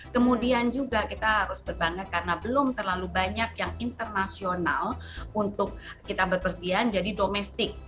kemudian juga kita harus berbangga karena belum terlalu banyak yang internasional untuk kita berpergian jadi domestik